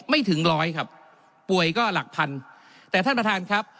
ไม่ถึงร้อยครับป่วยก็หลักพันแต่ท่านประธานครับ